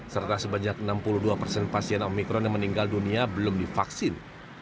serta sebanyak enam puluh dua persen pasien omikron yang meninggal dunia belum divaksin